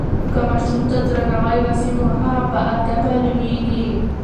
که ماشوم ته درناوی وسي نو هغه باادبه لویېږي.